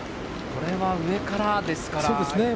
これは上からですから。